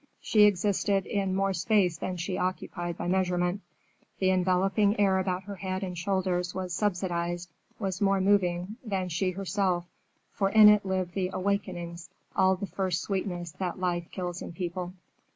She existed in more space than she occupied by measurement. The enveloping air about her head and shoulders was subsidized—was more moving than she herself, for in it lived the awakenings, all the first sweetness that life kills in people.